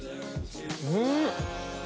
うん！